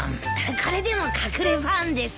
これでも隠れファンです。